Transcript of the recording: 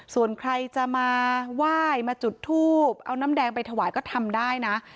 ส่วนใครจะมาไหว้มาจุดทูบเอาน้ำแดงไปถวายก็ทำได้นะ